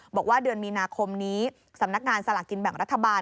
บอกว่าเดือนมีนาคมนี้สำนักงานสลากินแบ่งรัฐบาล